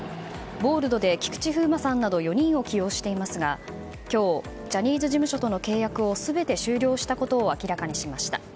ボールドで菊池風磨さんなど４人を起用していますが今日ジャニーズ事務所との契約を全て終了したことを明らかにしました。